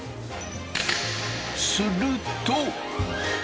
すると！